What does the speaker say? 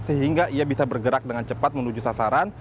sehingga ia bisa bergerak dengan cepat menuju sasaran